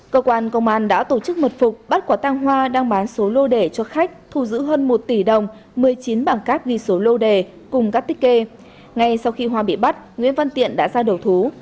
cơ quan công an đã tổ chức mật phục bắt quả tăng hoa đang bán số lô đề cho khách thu giữ hơn một tỷ đồng một mươi chín bảng cáp ghi số lô đề cùng các tích kê ngay sau khi hoa bị bắt nguyễn văn tiện đã ra đầu thú